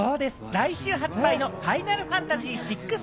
来週発売の『ファイナルファンタジー１６』。